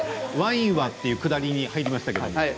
ワインはというくだりに入りました。